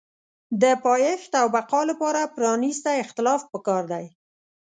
د پایښت او بقا لپاره پرانیستی اختلاف پکار دی.